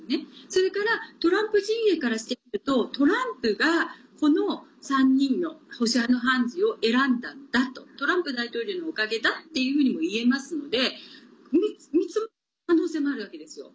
それからトランプ陣営からしてみるとトランプが、この３人の保守派の判事を選んだんだとトランプ大統領のおかげだっていうふうにも言えますので３つとも可能性があるわけですよ。